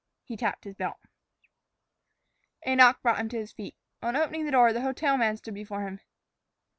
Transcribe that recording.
He tapped his belt. A knock brought him to his feet. On opening the door, the hotel man stood before him.